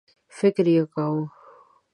فکر یې کاوه.